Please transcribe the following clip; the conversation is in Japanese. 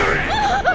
ああ。